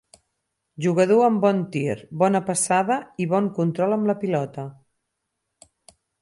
Jugador amb bon tir, bona passada, i bon control amb la pilota.